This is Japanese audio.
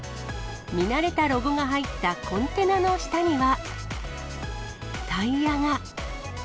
見慣れたロゴが入ったコンテナの下には、タイヤが。